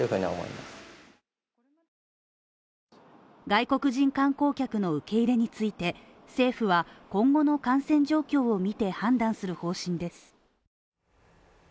外国人観光客の受け入れについて政府は、今後の感染状況を見て判断する方針です。